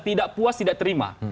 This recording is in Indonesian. tidak puas tidak terima